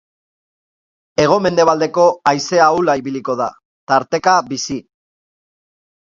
Hego-mendebaldeko haize ahula ibiliko da, tarteka bizi.